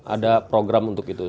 ada program untuk itu